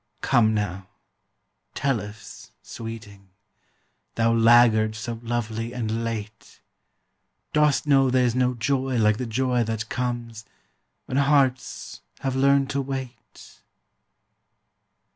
Come now tell us, sweeting, Thou laggard so lovely and late, Dost know there's no joy like the joy that comes When hearts have learned to wait?